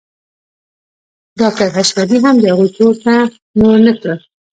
ډاکټر حشمتي هم د هغوی کور ته نور نه ته